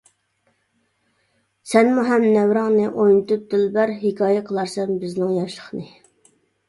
سەنمۇ ھەم نەۋرەڭنى ئوينىتىپ دىلبەر، ھېكايە قىلارسەن بىزنىڭ ياشلىقنى.